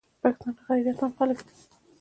پښتانه غیرتمن خلک دي.